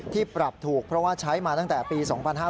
ปรับถูกเพราะว่าใช้มาตั้งแต่ปี๒๕๕๙